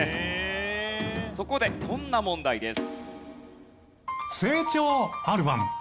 そこでこんな問題です。